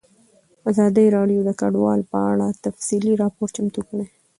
ازادي راډیو د کډوال په اړه تفصیلي راپور چمتو کړی.